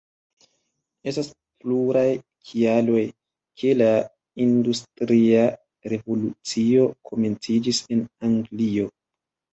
Estas pluraj kialoj, ke la industria revolucio komenciĝis en Anglio.